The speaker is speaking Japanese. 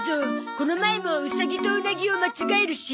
この前もウサギとウナギを間違えるし。